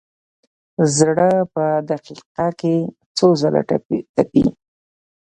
زړه په دقیقه کې څو ځله تپي.